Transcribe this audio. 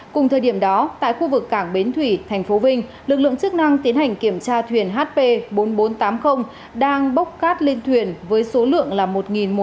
cùng thời điểm đó tại khu vực cảng bến thủy tp vinh lực lượng chức năng tiến hành kiểm tra thuyền hp bốn nghìn bốn trăm tám mươi đang bốc cát lên thuyền với số lượng là một một trăm sáu mươi bốn m ba